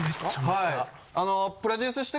はい。